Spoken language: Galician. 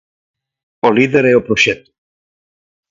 O líder é o proxecto.